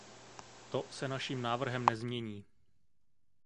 To se naším návrhem nezmění.